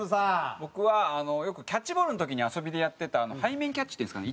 僕はよくキャッチボールの時に遊びでやってた背面キャッチっていうんですかね。